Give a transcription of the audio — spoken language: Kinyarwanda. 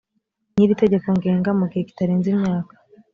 n iri tegeko ngenga mu gihe kitarenze imyaka